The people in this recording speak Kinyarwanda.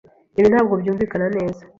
Ibi ntabwo byumvikana neza.